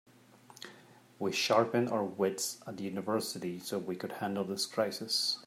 We sharpened our wits at university so we could handle this crisis.